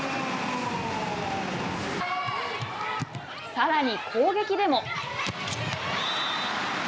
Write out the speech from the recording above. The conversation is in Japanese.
さらに、攻撃でも。